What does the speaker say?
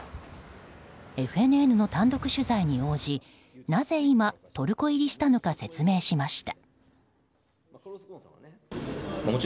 ＦＮＮの単独取材に応じなぜ今、トルコ入りしたのか説明しました。